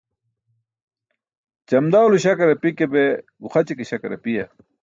Ćamdaw lo śakar api ke, be guxaći ke śakar apiya?